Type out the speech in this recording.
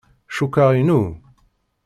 Cukkeɣ inu.